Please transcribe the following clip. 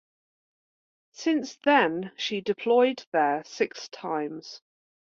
Since then she deployed there six times.